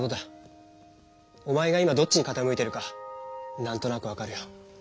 おまえが今どっちにかたむいてるかなんとなくわかるよ。